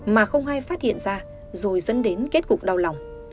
mà không ai phát hiện ra rồi dẫn đến kết cục đau lòng